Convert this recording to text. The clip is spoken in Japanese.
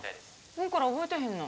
この子ら覚えてへんの？